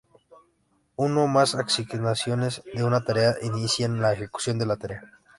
Una o más asignaciones de una tarea inician la ejecución de la tarea.